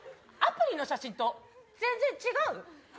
アプリの写真と全然違う？